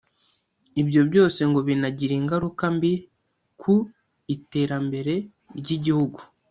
Ibyo byose ngo binagira ingaruka mbi ku iterambere ry’igihugu